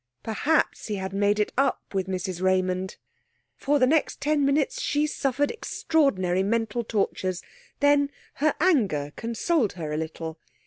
Perhaps he had made it up with Mrs Raymond?... For the next ten minutes she suffered extraordinary mental tortures, then her anger consoled her a little.